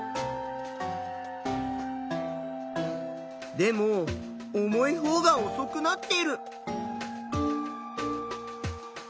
でも重いほうがおそくなってる。